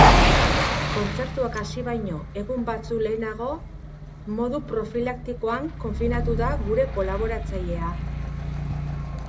Kontzertuak hasi baino egun batzuk lehenago modu profilaktikoan konfinatu da gure kolaboratzailea.